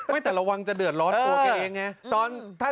แต่ระวังจะเดือดร้อนตัวแกเองไง